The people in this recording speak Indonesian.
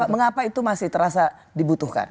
mengapa itu masih terasa dibutuhkan